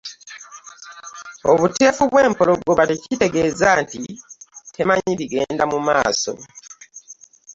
Obuteefu bw’empologoma, tekitegeeza nti temanyi bigenda mu maaso.